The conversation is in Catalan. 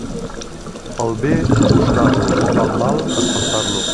Al bé, buscar-lo; al mal, espantar-lo.